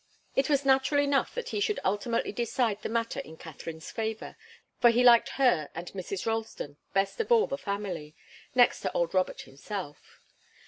It was natural enough that he should ultimately decide the matter in Katharine's favour, for he liked her and Mrs. Ralston best of all the family, next to old Robert himself.